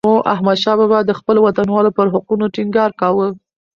احمدشاه بابا د خپلو وطنوالو پر حقونو ټينګار کاوه.